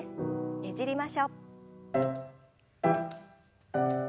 ねじりましょう。